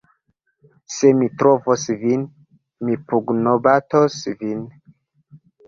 "Se mi trovos vin, mi pugnobatos vin!"